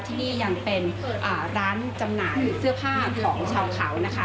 ที่นี่ยังเป็นร้านจำหน่ายเสื้อผ้าของชาวเขานะคะ